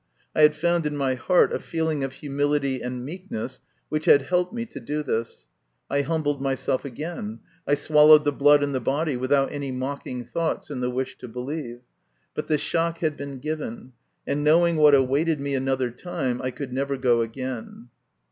I had found in my heart a feeling of humility and meekness which had helped me to do this. I humbled myself again, I swallowed the blood and the body without any mocking thoughts in the wish to believe ; but the shock had been given, and knowing what awaited me another time, I could never go again.